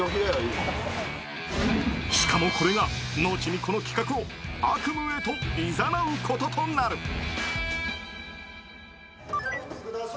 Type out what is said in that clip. しかも、これが後にこの企画を悪夢へといざなうこととなる。